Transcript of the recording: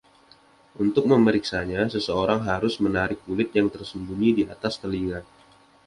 Untuk memeriksanya seseorang harus (menarik, kulit) yang tersembunyi di atas telinga.